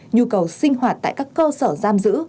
nhu cầu sinh hoạt tại các cơ sở giam giữ